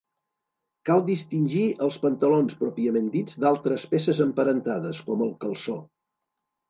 Cal distingir els pantalons pròpiament dits d'altres peces emparentades, com el calçó.